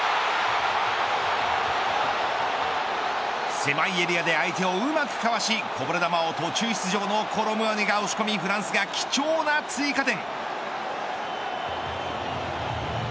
狭いエリアで相手をうまくかわしこぼれ球を、途中出場のコロ・ムアニが押し込みフランスが貴重な追加点。